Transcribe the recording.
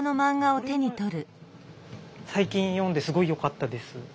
これも最近読んですごいよかったです。